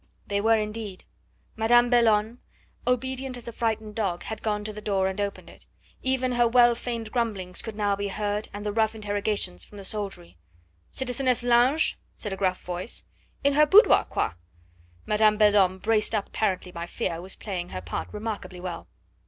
They were indeed! Madame Belhomme, obedient as a frightened dog, had gone to the door and opened it; even her well feigned grumblings could now be heard and the rough interrogations from the soldiery. "Citizeness Lange!" said a gruff voice. "In her boudoir, quoi!" Madame Belhomme, braced up apparently by fear, was playing her part remarkably well.